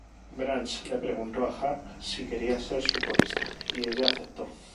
Branch le preguntó a Harp si quería ser su corista, y ella aceptó.